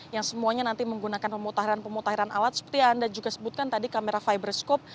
yang semuanya nanti menggunakan pemutaran pemutaran alat seperti anda juga sebutkan tadi kamera fiberskop